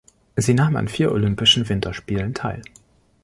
Sie nahm an vier Olympischen Winterspielen teil.